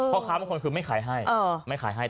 ค้าบางคนคือไม่ขายให้ไม่ขายให้